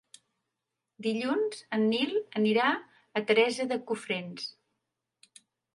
Dilluns en Nil anirà a Teresa de Cofrents.